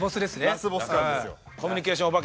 ラスボス感ですよ。